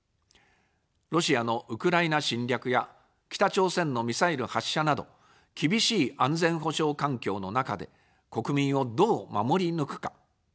ロシアのウクライナ侵略や北朝鮮のミサイル発射など、厳しい安全保障環境の中で、国民をどう守り抜くか。